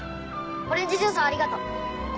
オレンジジュースありがとう。